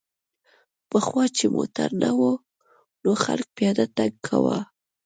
پخوا چې موټر نه و نو خلک پیاده تګ کاوه